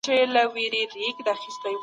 د اقتصادي ترقۍ لپاره نوي فني معلومات زده کړئ.